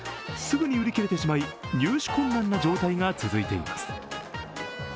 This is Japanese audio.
すぐに売り切れてしまい、入手困難な状態が続いています。